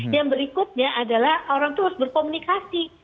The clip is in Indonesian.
yang berikutnya adalah orang tua harus berkomunikasi